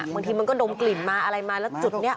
บางทีมันก็ดมกลิ่นมาอะไรมาแล้วจุดนี้